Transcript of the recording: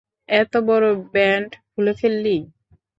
এতবড় band খুলে ফেললি।